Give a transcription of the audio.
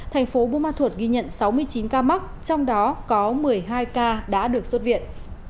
thành phố bumathur ghi nhận sáu mươi chín ca mắc trong đó có một mươi hai ca đã được xuất viện